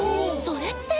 それって。